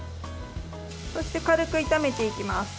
そして、軽く炒めていきます。